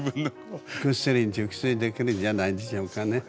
ぐっすり熟睡できるんじゃないでしょうかね。